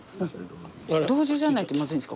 同時じゃないとまずいんですか？